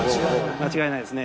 間違いないですね。